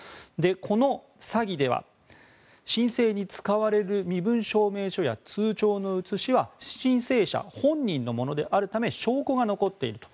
この詐欺では申請に使われる身分証明書や通帳の写しは申請者本人のものであるため証拠が残っていると。